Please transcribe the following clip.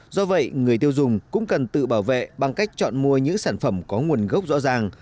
do vậy người tiêu dùng cũng cần tự bảo vệ bằng cách chọn mua những sản phẩm có nguồn gốc rõ ràng